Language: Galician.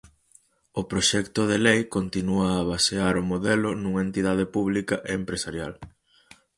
O proxecto de lei continúa a basear o modelo nunha entidade pública e empresarial.